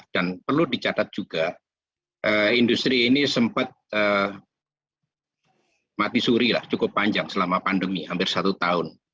dan perlu dicatat juga industri ini sempat mati suri lah cukup panjang selama pandemi hampir satu tahun